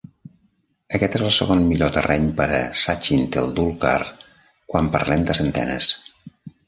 Aquest és el segon millor terreny per a Sachin Tendulkar quan parlem de centenes.